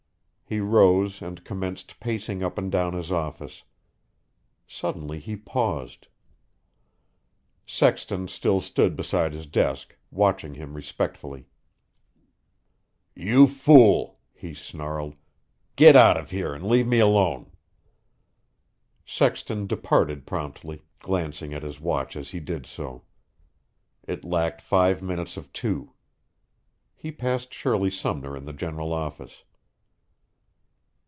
He rose and commenced pacing up and down his office. Suddenly he paused. Sexton still stood beside his desk, watching him respectfully. "You fool!" he snarled. "Get out of here and leave me alone." Sexton departed promptly, glancing at his watch as he did so. It lacked five minutes of two. He passed Shirley Sumner in the general office.